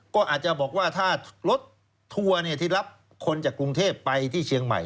ก็อาจจะบอกว่าถ้ารถทัวร์ที่รับคนจากกรุงเทพไปที่เชียงใหม่